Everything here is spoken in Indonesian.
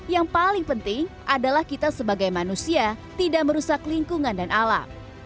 yang paling penting adalah kita sebagai manusia tidak merusak lingkungan dan alam